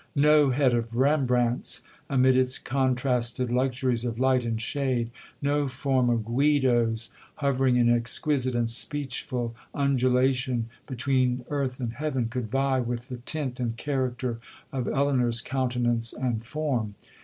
No head of Rembrandt's, amid its contrasted luxuries of light and shade,—no form of Guido's, hovering in exquisite and speechful undulation between earth and heaven, could vie with the tint and character of Elinor's countenance and form.